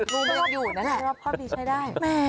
งูมาอยู่นั่นแหละครับครับพี่ใช้ได้